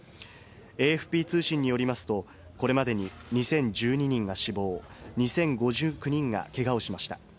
ＡＦＰ通信によりますと、これまでに２０１２人が死亡、２０５９人がけがをしました。